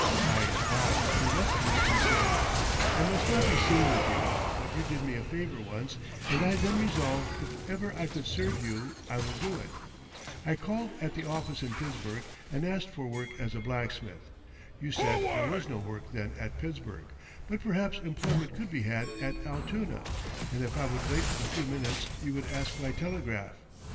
By and by he came up to me and said: "I must not be seen with you, but you did me a favor once and I then resolved if ever I could serve you I would do it. I called at the office in Pittsburgh and asked for work as a blacksmith. You said there was no work then at Pittsburgh, but perhaps employment could be had at Altoona, and if I would wait a few minutes you would ask by telegraph.